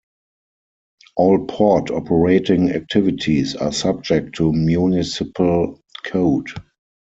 All Port operating activities are subject to municipal code.